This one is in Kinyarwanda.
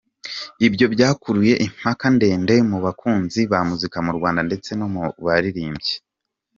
Ibyo byakuruye impaka ndende mu bakunzi ba muzika mu Rwanda ndetse no mu baririmbyi.